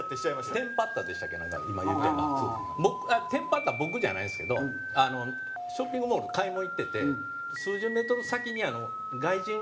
テンパったの僕じゃないんですけどショッピングモールに買い物行ってて数十メートル先に外国人夫婦がおったんですよ。